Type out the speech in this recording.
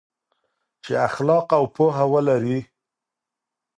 چې اخلاق او پوهه ولري.